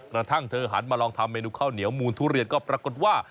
กระทั่งเธอหันมาลองทำเมนูข้าวเหนียวมูลทุเรียนก็ปรากฏว่า